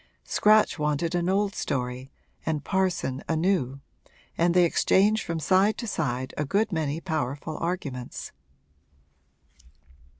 Scratch wanted an old story and Parson a new, and they exchanged from side to side a good many powerful arguments.